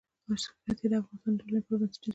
ښتې د افغانستان د ټولنې لپاره بنسټيز رول لري.